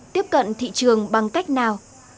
tiếp cận thị trường bằng cách nào